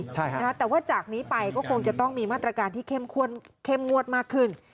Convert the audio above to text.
แต่ว่าจากนี้ไปก็คงจะต้องมีมาตรการที่เข้มงวดมากขึ้น